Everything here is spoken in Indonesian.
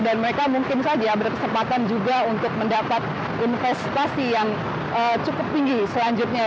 dan mereka mungkin saja berkesempatan juga untuk mendapat investasi yang cukup tinggi selanjutnya